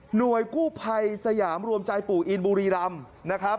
หน่วยกู้ไพยสยามรวมใจปู่อินบุรีรำ